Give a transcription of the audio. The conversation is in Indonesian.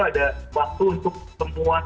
ada waktu untuk semua